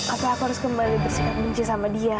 apa aku harus kembali bersikap benci sama dia